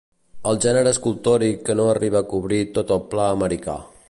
El gènere escultòric que no arriba a cobrir tot el pla americà.